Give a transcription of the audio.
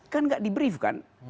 kan nggak di brief kan